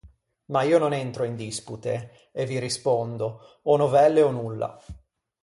Ma io non entro in dispute, e vi rispondo, o novelle o nulla.